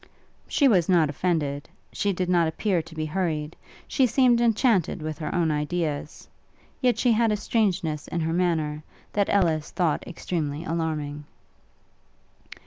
She was not offended; she did not appear to be hurried; she seemed enchanted with her own ideas; yet she had a strangeness in her manner that Ellis thought extremely alarming.